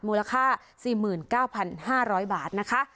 มูลค่าสี่หมื่นเก้าพันห้าร้อยบาทนะคะ